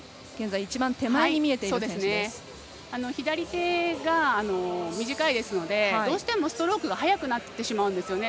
左手が短いですのでどうしてもストロークが早くなってしまうんですよね。